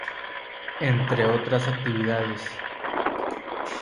Entre otras actividades.